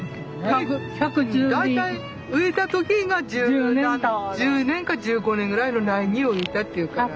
大体植えた時が１０年か１５年ぐらいの苗木を植えたっていうから。